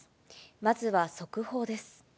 まずは速報です。